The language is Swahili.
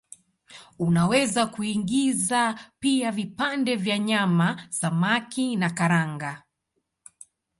Unaweza kuingiza pia vipande vya nyama, samaki na karanga.